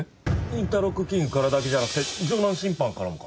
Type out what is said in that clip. インターロック金融からだけじゃなくて城南信販からもか？